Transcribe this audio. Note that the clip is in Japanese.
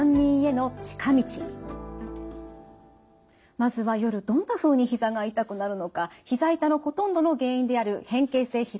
まずは夜どんなふうにひざが痛くなるのかひざ痛のほとんどの原因である変形性ひざ